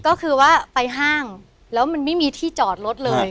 ก็คือว่าไปห้างแล้วมันไม่มีที่จอดรถเลย